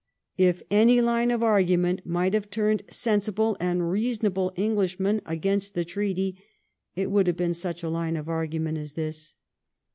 If any line of argument might have turned sensible and reasonable Englishmen against the treaty, it would have been such a line of argu ment as this.